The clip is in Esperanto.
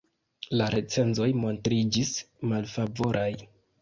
La recenzoj montriĝis malfavoraj.